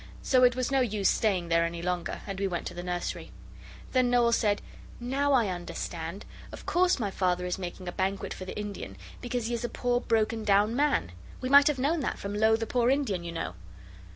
So it was no use staying there any longer, and we went to the nursery. Then Noel said, 'Now I understand. Of course my Father is making a banquet for the Indian, because he is a poor, broken down man. We might have known that from "Lo, the poor Indian!" you know.